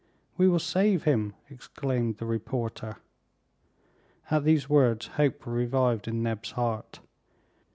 "We will save him!" exclaimed the reporter. At these words hope revived in Neb's heart.